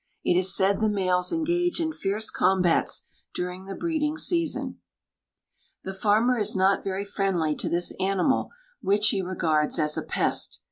It is said the males engage in fierce combats during the breeding season. The farmer is not very friendly to this animal, which he regards as a pest.